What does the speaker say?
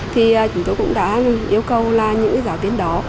thì chúng tôi cũng đã yêu cầu là những giáo viên đó